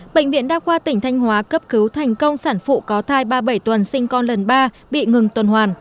bệnh viện đa khoa tỉnh thanh hóa cấp cứu thành công sản phụ có thai ba mươi bảy tuần sinh con lần ba bị ngừng tuần hoàn